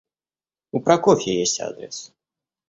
У Прокофья есть адрес.